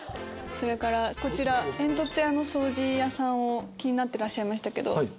それからこちら煙突掃除屋さんを気になってらっしゃいましたけど。